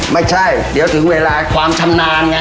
ไม่ใช่เดี๋ยวถึงเวลาความชำนาญไง